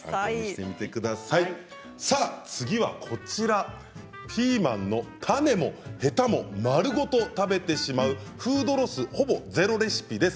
次はピーマンの種もヘタも丸ごと食べてしまうフードロスほぼゼロレシピです。